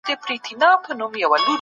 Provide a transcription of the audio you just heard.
ژر شتمن کېدل غواړې